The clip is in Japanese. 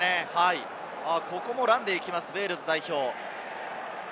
ここもランでいきます、ウェールズ代表。